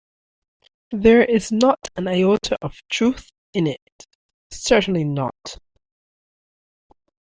There is not an iota of truth in it, certainly not.